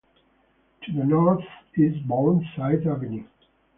To the north is Burnside Avenue.